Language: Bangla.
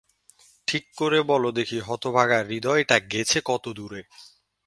ঠিক করে বলো দেখি হতভাগা হৃদয়টা গেছে কতদূরে?